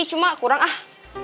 cuma kurang ah